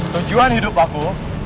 tujuan hidup aku